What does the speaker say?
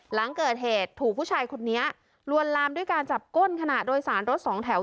หลังเกิดเหตุถูกผู้ชายคนนี้ลวนลามด้วยการจับก้นขณะโดยสารรถสองแถว